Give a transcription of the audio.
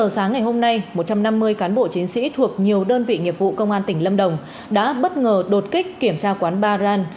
một trăm năm mươi cán bộ chiến sĩ thuộc nhiều đơn vị nghiệp vụ công an tỉnh lâm đồng đã bất ngờ đột kích kiểm tra quán ba ran